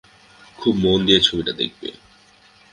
খুব মন দিয়ে ছবিটা দেখবে।